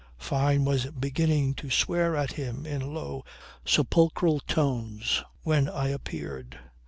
Fyne was beginning to swear at him in low, sepulchral tones when I appeared.